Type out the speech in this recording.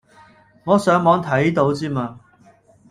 我上網睇到之嘛